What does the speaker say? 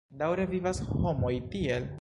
Daŭre vivas homoj tiel?